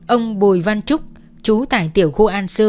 ông bồi văn trúc chú tải tiểu khu